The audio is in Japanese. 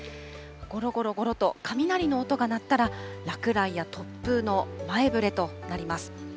ごろごろごろと、雷の音が鳴ったら、落雷や突風の前ぶれとなります。